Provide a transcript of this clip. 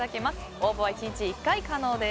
応募は１日１回可能です。